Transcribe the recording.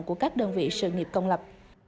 của các đơn vị sự nghiệp công lập